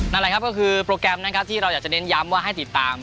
นั่นแหละครับก็คือโปรแกรมนะครับที่เราอยากจะเน้นย้ำว่าให้ติดตาม